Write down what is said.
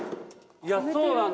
いやそうなんだよな。